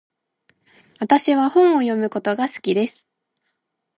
私は本を読むことが好きです。